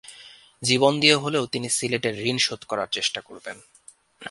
জীবন দিয়ে হলেও তিনি সিলেটের ঋণ শোধ করার চেষ্টা করবেন।